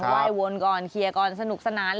เขาไหว้วนก่อนเขียวก่อนสนุกสนาน